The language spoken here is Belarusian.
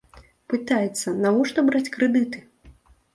Пытаецца, навошта браць крэдыты?